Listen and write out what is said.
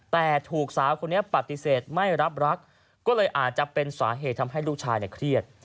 แต่ถูกสาวคนนี้ปฏิเสธไม่รับรักก็เลยอาจจะเป็นสาเหตุทำให้ลูกชายเครียด